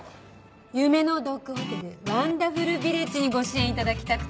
夢のドッグホテルワンダフルヴィレッジにご支援頂きたくて。